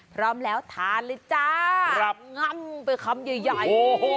พร้อมแล้วทานเลยจ้าง่ำไปคำใหญ่